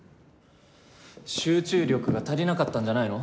集中力が足りなかったんじゃないの？